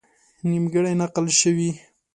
نیمګړې نقل شوې.